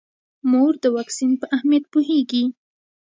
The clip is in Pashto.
مور د واکسین په اهمیت پوهیږي.